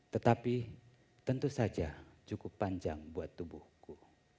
tetapi tentu saja cukup panjang buat tubuhku